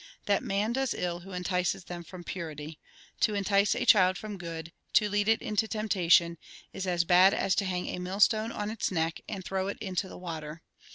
" That man does ill who entices them from purity. To entice a child from good, to lead it into temptation, is as bad as to hang a millstone on its neck and throw it into the water.